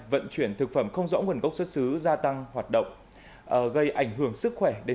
vận chuyển thực phẩm không rõ nguồn gốc xuất xứ gia tăng hoạt động gây ảnh hưởng sức khỏe để